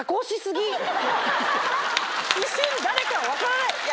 一瞬誰か分からない。